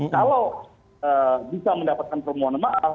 kalau bisa mendapatkan permohonan maaf